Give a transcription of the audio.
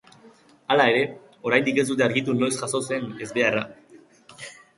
Hala ere, oraindik ez dute argitu noiz jazo zen ezbeharra.